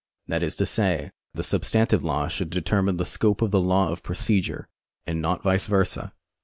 That is to say, the substantive law should determine the scope of the law of procedure, and not vice versa.